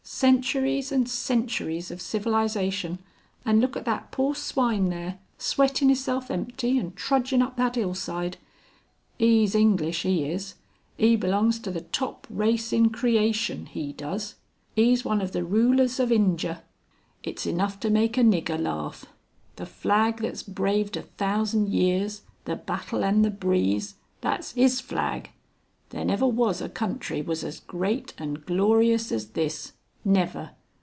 centuries and centuries of civilization, and look at that poor swine there, sweatin' 'isself empty and trudging up that 'ill side. 'E's English, 'e is. 'E belongs to the top race in creation, 'e does. 'E's one of the rulers of Indjer. It's enough to make a nigger laugh. The flag that's braved a thousand years the battle an' the breeze that's 'is flag. There never was a country was as great and glorious as this. Never.